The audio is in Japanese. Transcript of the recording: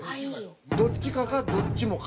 どっちかか、どっちもか。